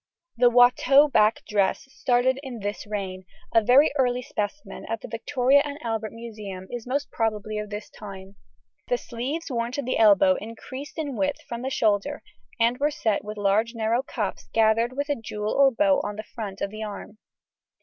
The Watteau back dress started in this reign; a very early specimen, at the Victoria and Albert Museum, is most probably of this time (Fig. 85, A). The sleeves worn to the elbow increased in width from the shoulder, and were set with large narrow cuffs gathered with a jewel or bow on the front of the arm.